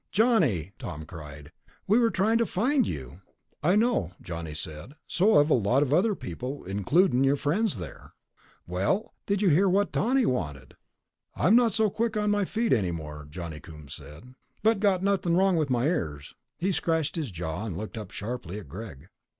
"Johnny!" Tom cried. "We were trying to find you." "I know," Johnny said. "So have a lot of other people, includin' your friends there." "Well, did you hear what Tawney wanted?" "I'm not so quick on my feet any more," Johnny Coombs said, "but I got nothin' wrong with my ears." He scratched his jaw and looked up sharply at Greg.